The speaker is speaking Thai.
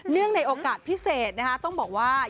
เนื่องในโอกาสพิเศษนะฮะต้องบอกว่า